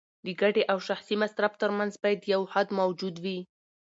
د ګټې او شخصي مصرف ترمنځ باید یو حد موجود وي.